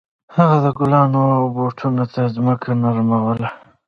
هغه د ګلانو او بوټو ته ځمکه نرموله.